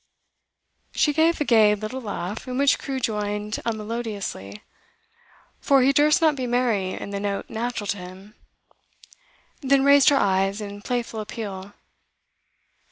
She gave a gay little laugh, in which Crewe joined unmelodiously, for he durst not be merry in the note natural to him, then raised her eyes in playful appeal.